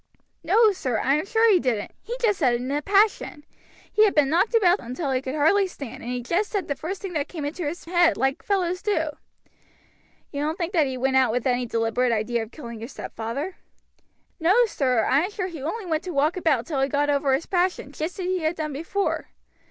"No, sir, I am sure he didn't; he just said it in a passion. He had been knocked about until he could hardly stand, and he just said the first thing that came into his head, like fellows do." "You don't think that he went out with any deliberate idea of killing your stepfather?" "No, sir; I am sure he only went out to walk about till he got over his passion, just as he had done before."